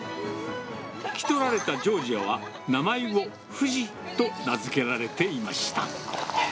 引き取られたジョージアは、名前をふじと名付けられていました。